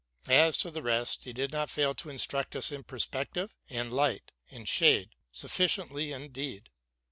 As to the rest, he did not fail to instruct us in perspective, and in light and shade, sufficiently indeed.